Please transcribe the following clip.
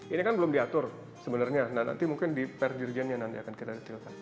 ini kan belum diatur sebenarnya nah nanti mungkin di perjurjannya nanti akan kita detilkan